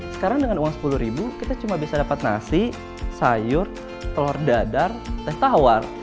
sekarang dengan uang sepuluh ribu kita cuma bisa dapat nasi sayur telur dadar teh tawar